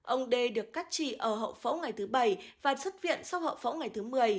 ông đê được cắt trị ở hậu phẫu ngày thứ bảy và xuất viện sau hậu phẫu ngày thứ một mươi